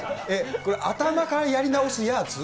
これ頭からやり直すやーつ？